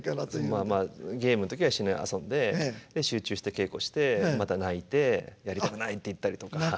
まあまあゲームの時は一緒に遊んでで集中して稽古してまた泣いてやりたくないって言ったりとか。